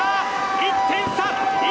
１点差！